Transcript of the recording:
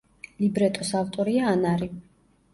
ლიბრეტოს ავტორია ანარი.